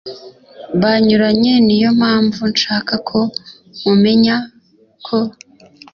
bunyuranye Ni yo mpamvu nshaka ko mumenya ko